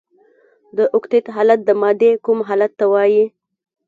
د اوکتیت حالت د مادې کوم حال ته وايي؟